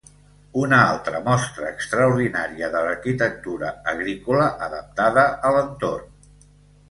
Una altra mostra extraordinària de l'arquitectura agrícola adaptada a l'entorn.